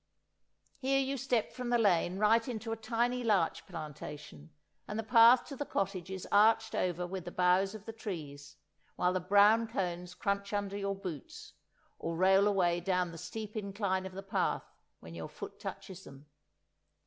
Here you step from the lane right into a tiny larch plantation, and the path to the cottage is arched over with the boughs of the trees, while the brown cones crunch under your boots, or roll away down the steep incline of the path when your foot touches them.